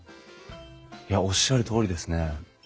いやおっしゃるとおりですね。